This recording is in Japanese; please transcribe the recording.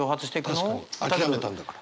確かに諦めたんだから。